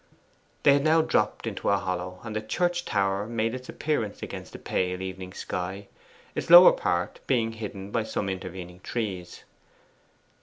They had now dropped into a hollow, and the church tower made its appearance against the pale evening sky, its lower part being hidden by some intervening trees.